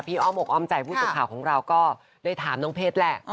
อ้อมอกอ้อมใจผู้สื่อข่าวของเราก็ได้ถามน้องเพชรแหละ